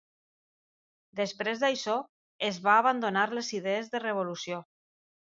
Després d'això es va abandonar les idees de Revolució.